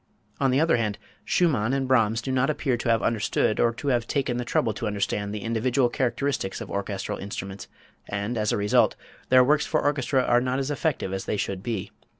On the other hand, Schumann and Brahms do not appear to have understood or to have taken the trouble to understand the individual characteristics of orchestral instruments, and, as a result, their works for orchestra are not as effective as they should be.